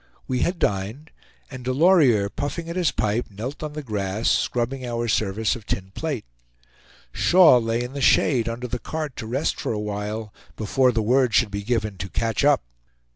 We had dined; and Delorier, puffing at his pipe, knelt on the grass, scrubbing our service of tin plate. Shaw lay in the shade, under the cart, to rest for a while, before the word should be given to "catch up."